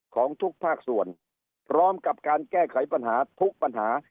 ของทุกภาคส่วนพร้อมกับการแก้ไขปัญหาทุกปัญหา